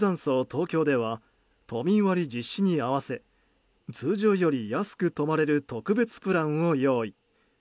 東京では都民割実施に合わせ通常より安く泊まれる特別プランを用意。